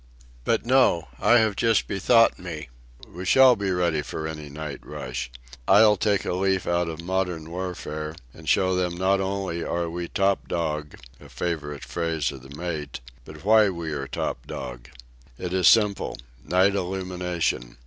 But no. I have just bethought me. We shall be ready for any night rush. I'll take a leaf out of modern warfare, and show them not only that we are top dog (a favourite phrase of the mate), but why we are top dog. It is simple—night illumination.